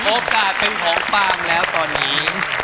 โอกาสเป็นของปางแล้วตอนนี้